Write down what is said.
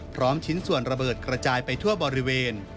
ชิ้นส่วนระเบิดกระจายไปทั่วบริเวณ